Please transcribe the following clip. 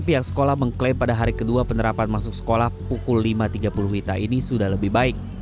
pihak sekolah mengklaim pada hari kedua penerapan masuk sekolah pukul lima tiga puluh wita ini sudah lebih baik